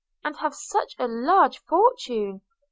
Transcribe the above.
and have such a large fortune!